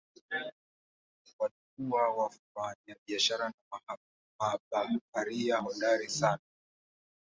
Walikuwa wafanyabiashara na mabaharia hodari sana.